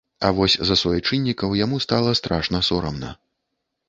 А вось за суайчыннікаў яму стала страшна сорамна.